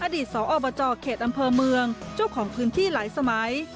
สอบจเขตอำเภอเมืองเจ้าของพื้นที่หลายสมัย